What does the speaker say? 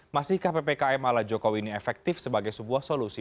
masihkah ppkm ala jokowi ini efektif sebagai sebuah solusi